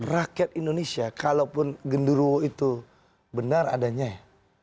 rakyat indonesia kalaupun gendurowo itu benar adanya ya